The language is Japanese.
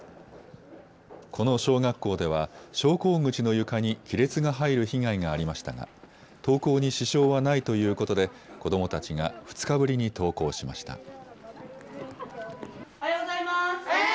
この小学校では昇降口の床に亀裂が入る被害がありましたが登校に支障はないということで子どもたちが２日ぶりに登校しました。